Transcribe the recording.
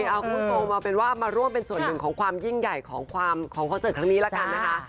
เอาคุณผู้ชมเอาเป็นว่ามาร่วมเป็นส่วนหนึ่งของความยิ่งใหญ่ของคอนเสิร์ตครั้งนี้ละกันนะคะ